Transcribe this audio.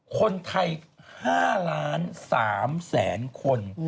คนไทย๕๓ล้านคน